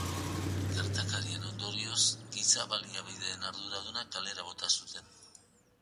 Gertakarien ondorioa, giza baliabideen arduraduna kalera bota zuten.